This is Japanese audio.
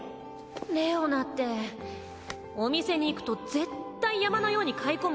レオナってお店に行くと絶対山のように買い込むタイプでしょ。